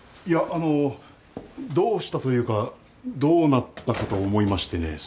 いえあのどうしたというかどうなったかと思いましてね。